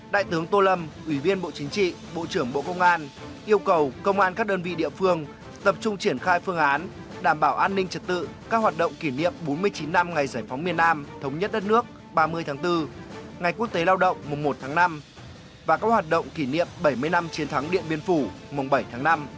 đại tướng tô lâm ủy viên bộ chính trị bộ trưởng bộ công an yêu cầu công an các đơn vị địa phương tập trung triển khai phương án đảm bảo an ninh trật tự các hoạt động kỷ niệm bốn mươi chín năm ngày giải phóng miền nam thống nhất đất nước ba mươi tháng bốn ngày quốc tế lao động mùng một tháng năm và các hoạt động kỷ niệm bảy mươi năm chiến thắng điện biên phủ mùng bảy tháng năm